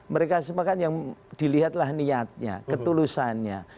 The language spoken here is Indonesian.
mereka semua kan yang dilihatlah niatnya ketulusannya